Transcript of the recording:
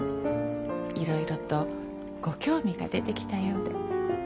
いろいろとご興味が出てきたようで。